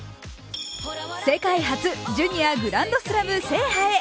世界初ジュニアグランドスラム制覇へ。